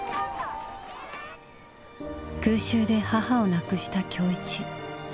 空襲で母を亡くした今日一。